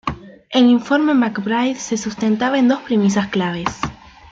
El Informe MacBride se sustentaba en dos premisas claves.